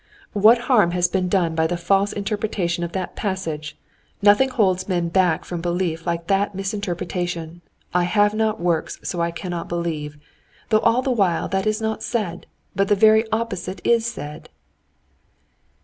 "What harm has been done by the false interpretation of that passage! Nothing holds men back from belief like that misinterpretation. 'I have not works, so I cannot believe,' though all the while that is not said. But the very opposite is said."